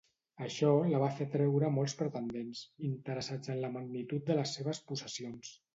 Això la va fer atreure molts pretendents, interessats en la magnitud de les seves possessions.